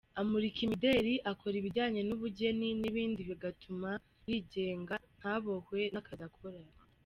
Amurika imideli, akora ibijyanye n’ubugeni n’ibindi bigatuma yigenga ntabohwe n’akazi akora.